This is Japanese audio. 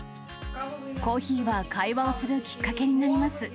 コーヒーは会話をするきっかけになります。